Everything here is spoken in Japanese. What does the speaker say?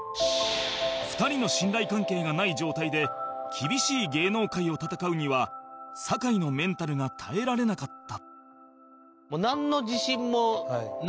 ２人の信頼関係がない状態で厳しい芸能界を戦うには坂井のメンタルが耐えられなかった